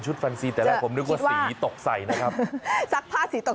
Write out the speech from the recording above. แฟนซีแต่แรกผมนึกว่าสีตกใส่นะครับซักผ้าสีตก